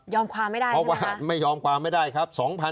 ยอมความไม่ได้ใช่ไหมคะไม่ยอมความไม่ได้ครับ